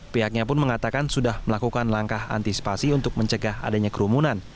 pihaknya pun mengatakan sudah melakukan langkah antisipasi untuk mencegah adanya kerumunan